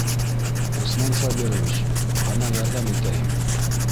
Усман Сабирович, ҡана ярҙам итәйем!